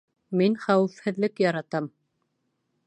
Мин хәүефһеҙлек яратам.